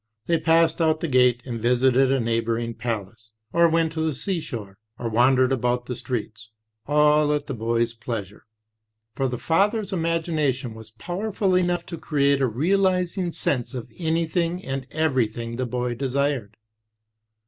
They passed out the gate and visited a neighboring palace; or went to the seashore, or wandered about the streets, all at the boy's pleasure. For the father's imagina tion was powerful enough to create a realizing sense of anything and everything the boy desired.